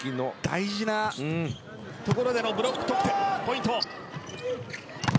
大事なところでのブロックポイント。